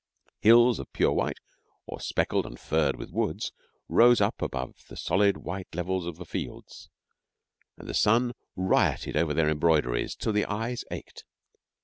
Hills of pure white, or speckled and furred with woods, rose up above the solid white levels of the fields, and the sun rioted over their embroideries till the eyes ached.